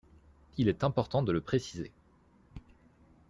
Il est important de le préciser.